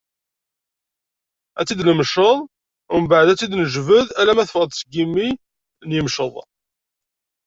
Ad tt-id-nmecceḍ, umbeɛd ad tt-id-njebbed, alma teffeɣ-d seg yimi n yimceḍ.